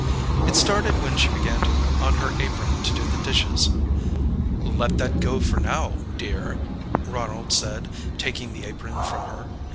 It started when she began to put on her apron to do the dishes. "Let that go for now, dear," Ronald said, taking the apron from her.